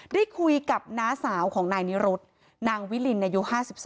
ได้คุยกับน้าสาวของนายนิรุธนางวิลินอายุ๕๒